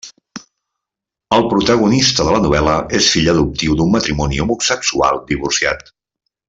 El protagonista de la novel·la és fill adoptiu d'un matrimoni homosexual divorciat.